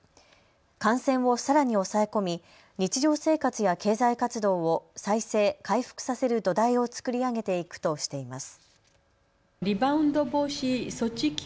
感染をさらに抑え込み、日常生活や経済活動を再生・回復させる土台を作り上げていくとしています。